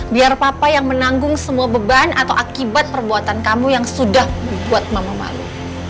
biar papa yang menanggung semua beban atau akibat perbuatan kamu yang sudah membuat mama malu